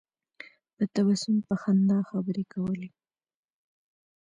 په تبسم په خندا خبرې کولې.